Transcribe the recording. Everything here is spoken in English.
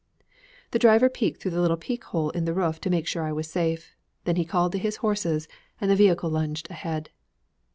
The driver peeked through the little peek hole in the roof to make sure I was safe; then he called to his horses, and the vehicle lunged ahead.